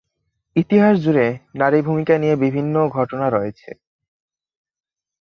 ইতিহাস জুড়ে নারী ভূমিকা নিয়ে বিভিন্ন ঘটনা রয়েছে।